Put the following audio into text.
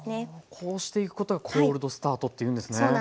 こうしていくことが「コールドスタート」っていうんですね。